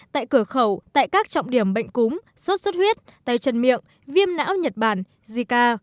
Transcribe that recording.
tại cửa khẩu tại các trọng điểm bệnh cúm sốt xuất huyết tay chân miệng viêm não nhật bản zika